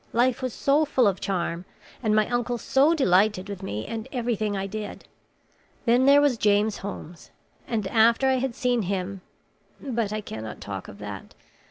Life was so full of charm, and my uncle so delighted with me and everything I did! Then there was James Holmes, and after I had seen him But I cannot talk of that.